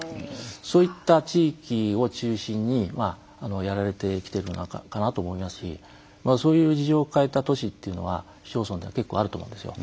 そういった地域を中心にやられてきているのかなと思いますしそういう事情を抱えた都市っていうのは市町村では結構あると思うんですよ。